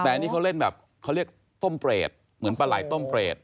แต่อันนี้เขาเล่นแบบเขาเรียกต้มเปรตเหมือนปลาไหล่ต้มเปรต